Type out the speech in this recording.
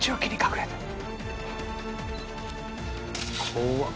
怖っ！